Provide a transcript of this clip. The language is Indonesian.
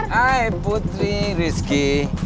hai putri rizky